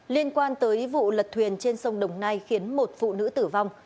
liên quan tới vụ lật thuyền trên sông đồng nai khiến một phụ nữ tử vong